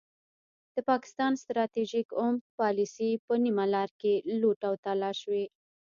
د پاکستان ستراتیژیک عمق پالیسي په نیمه لار کې لوټ او تالا شوې.